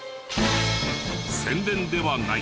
宣伝ではない！